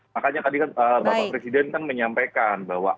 makanya tadi kan bapak presiden kan menyampaikan bahwa